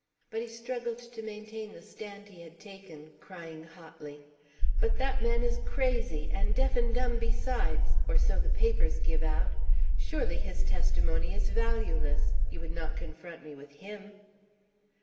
But he struggled to maintain the stand he had taken, crying hotly: "But that man is crazy, and deaf and dumb besides! or so the papers give out. Surely his testimony is valueless. You would not confront me with him?"